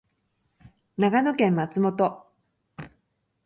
長野県松本